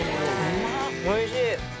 おいしい。